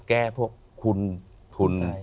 แก้พวกคุณสัย